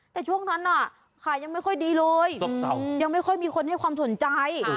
แต่ช่วงนั้นน่ะขายังไม่ค่อยดีเลยยังไม่ค่อยมีคนให้ความสนใจ